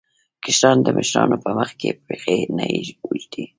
کشران د مشرانو په مخ کې پښې نه اوږدوي.